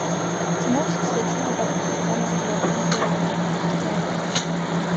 Քինով սկսեցին հետաքրքրվել անգլիական գրանդները։